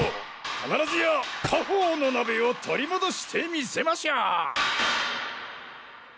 必ずや家宝の鍋を取り戻してみせましょう！